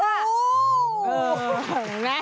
โอ้โห